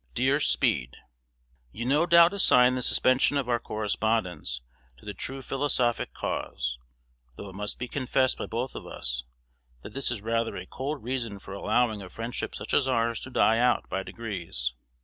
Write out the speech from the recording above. Dear Speed, You no doubt assign the suspension of our correspondence to the true philosophic cause; though it must be confessed by both of us, that this is rather a cold reason for allowing a friendship such as ours to die out by degrees.